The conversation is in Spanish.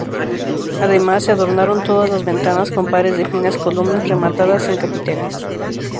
Además se adornaron todas las ventanas con pares de finas columnas rematadas en capiteles.